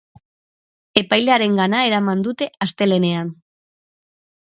Epailearengana eraman dute astelehenean.